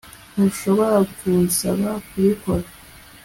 Ntushobora kunsaba kubikora